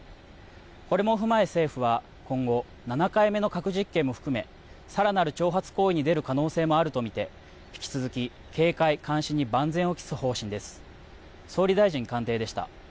これも踏まえ、政府は今後、７回目の核実験も含め、さらなる挑発行為に出る可能性もあると見て、引き続き警戒・監視に万全を期す方針です。